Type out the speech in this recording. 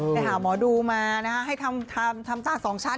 ไปหาหมอดูมานะครับให้ทำจ้างสองชั้น